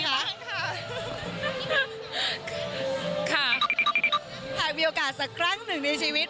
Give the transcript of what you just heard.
ค่ะหากมีโอกาสสักครั้งหนึ่งในชีวิต